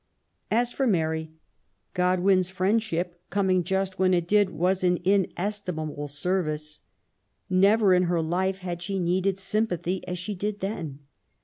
As for Mary, Godwin's friendship, coming just when it did, was an inestimable service. Never in all her life / had she needed sympathy as she did then.